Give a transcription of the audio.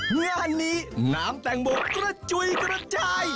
งานนี้น้ำแตงโมกระจุยกระจาย